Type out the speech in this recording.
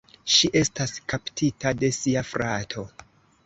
Ŝi estas kaptita de sia frato.